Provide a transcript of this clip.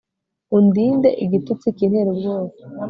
undinde igitutsi kintera ubwoba